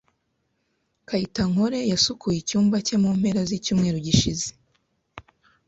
Kayitankore yasukuye icyumba cye mu mpera zicyumweru gishize.